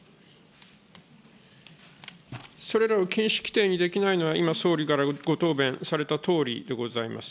それを禁止規定にできないのは今、総理からご答弁されたとおりでございます。